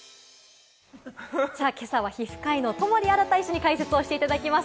今朝は皮膚科医の友利新医師に解説をしていただきます。